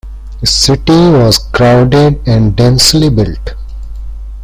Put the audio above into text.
The city was crowded and densely built.